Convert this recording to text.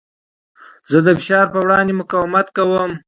زه د فشار په وړاندې مقاومت کوم.